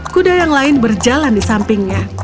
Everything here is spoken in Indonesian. kuda yang lain berjalan di sampingnya